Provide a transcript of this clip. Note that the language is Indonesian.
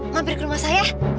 mampir ke rumah saya